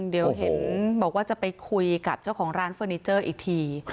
เดี๋ยวเห็นบอกว่าจะไปคุยกับเจ้าของร้านเฟอร์นิเจอร์อีกที